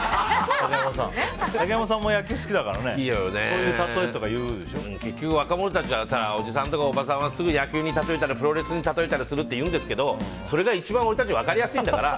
竹山さんも野球好きだから結局、若者はおじさんとかおばさんはすぐ野球に例えたりプロレスに例えたりするっていうんですけどそれが一番俺たち分かりやすいんだから。